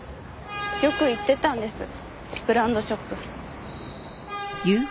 よく行ってたんですブランドショップ。